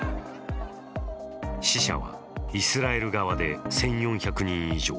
死者はイスラエル側で１４００人以上。